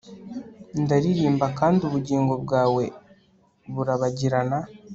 Ndaririmba kandi Ubugingo bwawe burabagirana